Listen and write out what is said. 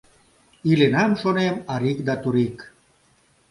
Иленам, шонем, арик да турик.